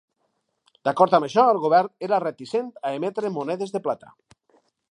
D'acord amb això, el govern era reticent a emetre monedes de plata.